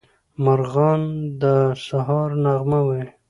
مارغان د سهار نغمه وايي.